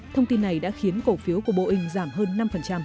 thông tin này đã khiến cổ phiếu của boeing giảm hơn năm